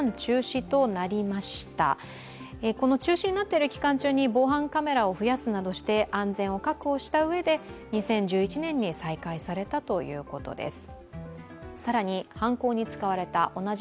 中止になっている期間中に防犯カメラを増やすなどして安全を確保したうえで、２０１１年に再開されたということです。